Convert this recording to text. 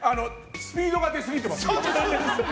スピードが出すぎています。